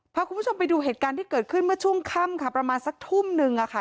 พาคุณผู้ชมไปดูเหตุการณ์ที่เกิดขึ้นเมื่อช่วงค่ำค่ะประมาณสักทุ่มนึงอะค่ะ